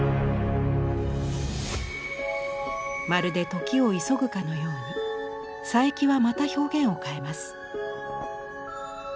まるで時を急ぐかのように佐伯はまた表現を変えます。